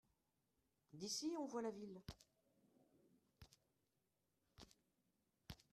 D'ici on voit la ville.